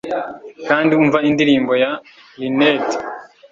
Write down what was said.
kandi umva indirimbo ya linnet;